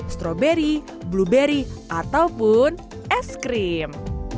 stroberi blueberry ataupun es krim